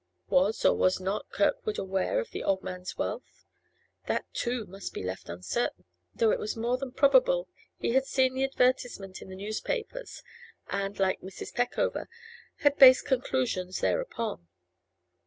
Was, or was not, Kirkwood aware of the old man's wealth? That too must be left uncertain, though it was more than probable he had seen the advertisement in the newspapers, and, like Mrs. Peckover, had based conclusions thereupon.